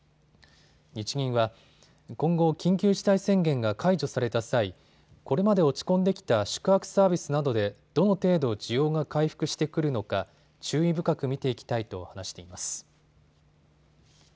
日銀は、今後、緊急事態宣言が解除された際、これまで落ち込んできた宿泊サービスなどで、どの程度需要が回復してくるのか注意深く見ていきたいと話しています。